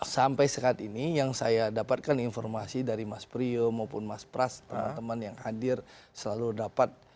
sampai saat ini yang saya dapatkan informasi dari mas priyo maupun mas pras teman teman yang hadir selalu dapat